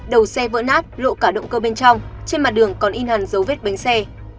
đầu xe vỡ nát lộ cả động cơ bên trong trên mặt đường còn in hẳn dấu vết bánh xe